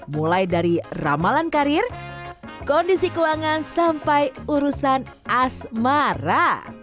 mulai dari ramalan karir kondisi keuangan sampai urusan asmara